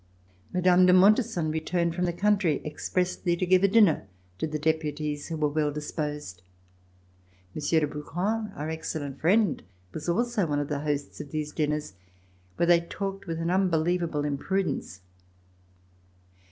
Mme. de Montesson returned from the country expressly to give a dinner to the Deputies who were well disposed. Monsieur de Brouquens, our excellent friend, was also one of the hosts of these dinners where they talked with an unbelievable imprudence.